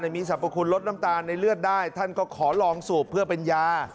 มีสรรพคุณลดน้ำตาลในเลือดได้ท่านก็ขอลองสูบเพื่อเป็นยา